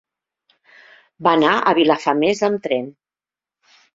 Va anar a Vilafamés amb tren.